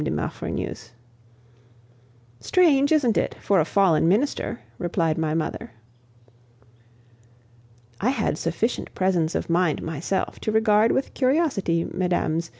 de Maufrigneuse. "Strange, isn't it, for a fallen minister?" replied my mother. I had sufficient presence of mind myself to regard with curiosity Mmes.